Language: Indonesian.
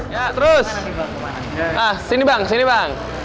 ya terus ah sini bang sini bang